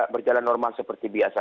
berjalan normal seperti biasa